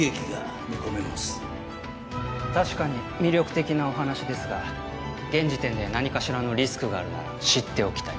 確かに魅力的なお話ですが現時点で何かしらのリスクがあるなら知っておきたい。